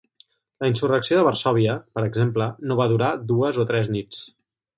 La insurrecció de Varsòvia, per exemple, no va durar dues o tres nits.